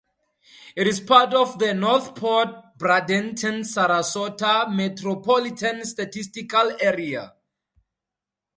It is part of the North Port-Bradenton-Sarasota Metropolitan Statistical Area.